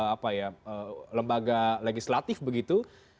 apa ya lembaga legislatif begitu